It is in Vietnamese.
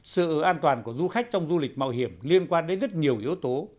sự an toàn của du khách trong du lịch mạo hiểm liên quan đến rất nhiều yếu tố